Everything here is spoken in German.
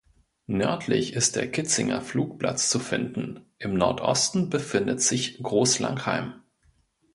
Nördlich ist der Kitzinger Flugplatz zu finden, im Nordosten befindet sich Großlangheim.